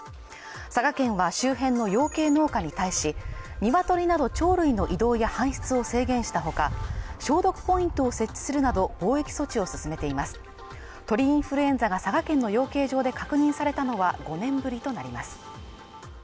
佐賀県は周辺の養鶏農家に対しニワトリなど鳥類の移動や搬出を制限したほか消毒ポイントを設置するなど防疫措置を進めています鳥インフルエンザが佐賀県の養鶏場で確認されたのは５年ぶりとなります